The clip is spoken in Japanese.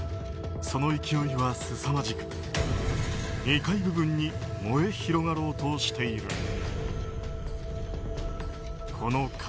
その勢いはすさまじく２階部分に燃え広がろうとしている。